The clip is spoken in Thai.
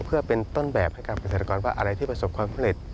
เพื่อเป็นต้นแบบให้กับเกษตรกรว่าอะไรที่ประสบความสำเร็จ